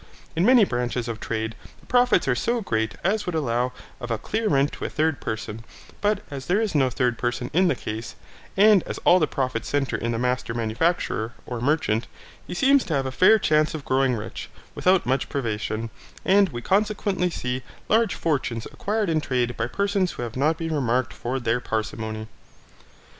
In many branches of trade the profits are so great as would allow of a clear rent to a third person; but as there is no third person in the case, and as all the profits centre in the master manufacturer, or merchant, he seems to have a fair chance of growing rich, without much privation; and we consequently see large fortunes acquired in trade by persons who have not been remarked for their parsimony.